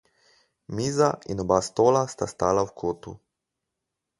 Miza in oba stola sta stala v kotu.